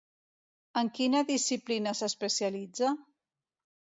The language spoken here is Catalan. En quina disciplina s'especialitza?